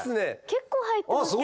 結構入ってますけど。